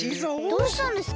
どうしたんですか？